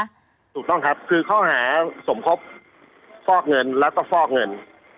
ถูกต้องครับคือข้อหาสมคบฟอกเงินแล้วก็ฟอกเงิน